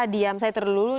diam saya terlalu